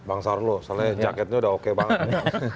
bang saur loh soalnya jaketnya udah oke banget